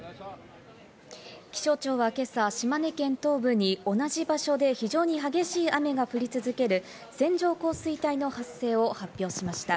気象庁は今朝、島根県東部に同じ場所で非常に激しい雨が降り続ける、線状降水帯の発生を発表しました。